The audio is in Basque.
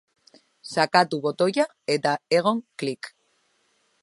Sakatu botoia edo egon klik.